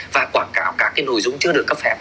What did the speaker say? và quảng cáo các cái nội dung chưa được cấp phép